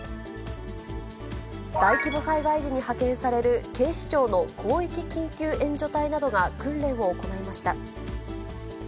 大規模災害時に派遣される警視庁の広域緊急援助隊などが訓練を行いました。